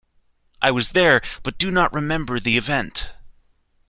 I was there but do not remember the event.